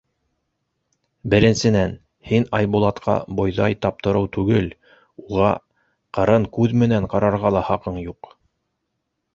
— Беренсенән, һин Айбулатҡа бойҙай таптырыу түгел, уға ҡырын күҙ менән ҡарарға ла хаҡың юҡ.